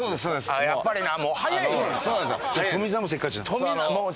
ああやっぱりな。